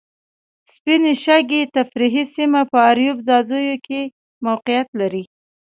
سپینې شګې تفریحي سیمه په اریوب ځاځیو کې موقیعت لري.